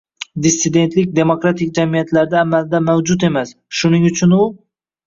Dissidentlik demokratik jamiyatlarda amalda mavjud emas, shuning uchun u